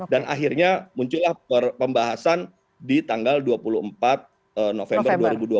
dan akhirnya muncullah pembahasan di tanggal dua puluh empat november dua ribu dua puluh dua